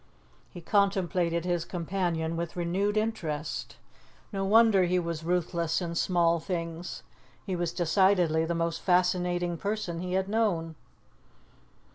He contemplated his companion with renewed interest; no wonder he was ruthless in small things. He was decidedly the most fascinating person he had known.